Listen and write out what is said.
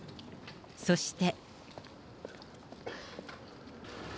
そして。